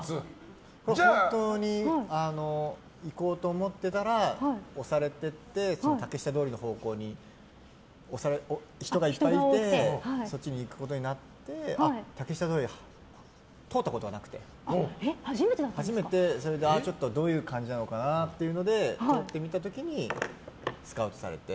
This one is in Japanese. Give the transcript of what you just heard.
本当に行こうと思ってたら押されていって竹下通りの方向に人がいっぱいいてそっちに行くことになって竹下通りを通ったことがなくて、初めてどういう感じなのかなというので通ってみた時にスカウトされて。